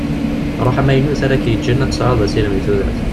Rruḥ amaynut ara k-yeǧǧen ad tesɛuḍ asirem deg tudert.